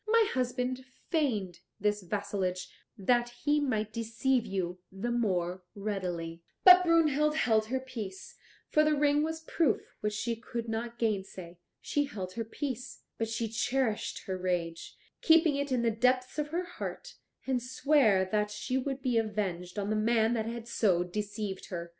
My husband feigned this vassalage that he might deceive you the more readily." But Brunhild held her peace, for the ring was a proof which she could not gainsay. She held her peace, but she cherished her rage, keeping it in the depths of her heart, and sware that she would be avenged on the man that had so deceived her.